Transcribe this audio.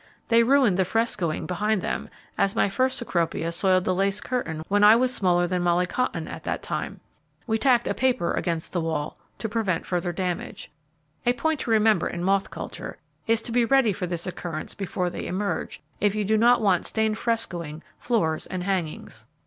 They ruined the frescoing behind them, as my first Cecropia soiled the lace curtain when I was smaller than Molly Cotton at that time. We tacked a paper against the wall to prevent further damage. A point to remember in moth culture, is to be ready for this occurrence before they emerge, if you do not want stained frescoing, floors, and hangings.